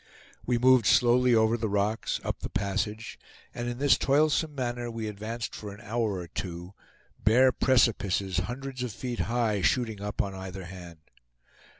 We moved slowly over the rocks, up the passage; and in this toilsome manner we advanced for an hour or two, bare precipices, hundreds of feet high, shooting up on either hand.